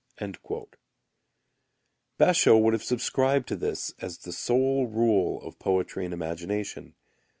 Basho[u] would have subscribed to this as the sole rule of poetry and imagination.